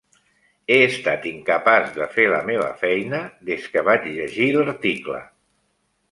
He estat incapaç de fer la meva feina des que vaig llegir l'article.